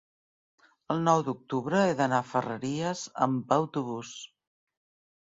El nou d'octubre he d'anar a Ferreries amb autobús.